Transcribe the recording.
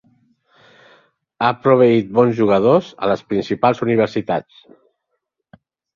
Ha proveït bons jugadors a les principals universitats.